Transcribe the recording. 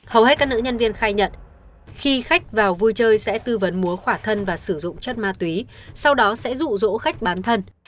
hầu hết các nữ nhân viên khai nhận khi khách vào vui chơi sẽ tư vấn mua khỏa thân và sử dụng chất ma túy sau đó sẽ rụ rỗ khách bán thân